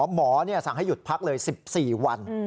หมอสั่งให้หยุดพักเลย๑๔วัน